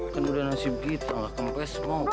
kan udah nasib kita lah kempes mogok